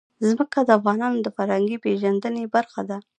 ځمکه د افغانانو د فرهنګي پیژندنې برخه ده.